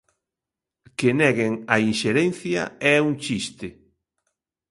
Que neguen a inxerencia é un chiste.